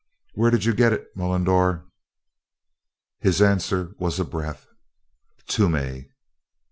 "Where did you git it, Mullendore?" His answer was a breath. "Toomey."